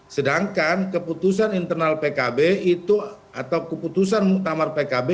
sedangkan keputusan internal pkb itu atau keputusan muktamar pkb